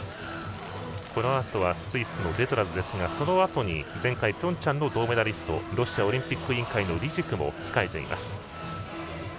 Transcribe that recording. このあとはスイスのデトラズですがそのあとに前回ピョンチャンの銅メダリストロシアオリンピック委員会のリジクも控えています。